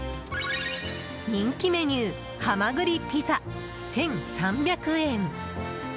人気メニューはまぐりピザ、１３００円。